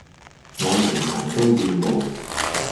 我無人都要無!